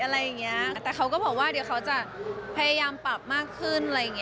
แต่เขาก็บอกว่าเดี๋ยวเขาจะพยายามปรับมากขึ้น